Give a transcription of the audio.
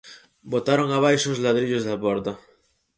Botaron abaixo os ladrillos da porta.